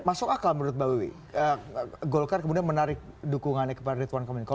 masuk akal menurut mbak wiwi golkar kemudian menarik dukungannya kepada ridwan kamil